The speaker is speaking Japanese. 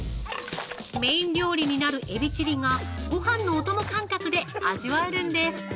メイン料理になるエビチリがごはんのおとも感覚で味わえるんです！